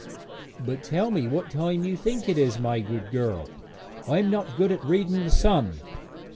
'But tell me what time you think it is, my good girl; I am not good at reading the sun.'